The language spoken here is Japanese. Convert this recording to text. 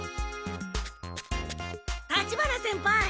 立花先輩。